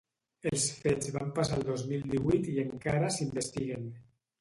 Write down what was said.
Els fets van passar el dos mil divuit i encara s’investiguen.